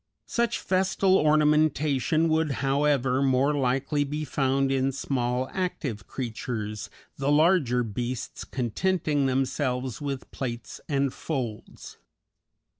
Such festal ornamentation would, however, more likely be found in small, active creatures, the larger beasts contenting themselves with plates and folds.